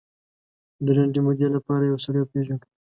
د لنډې مودې لپاره یو سړی پېژنو.